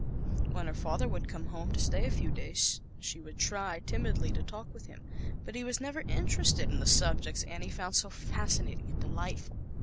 When her father would come home, to stay a few days, she would try, timid ly, to talk with him, but he was never interested in the subjects Annie found so fascinating and delightful.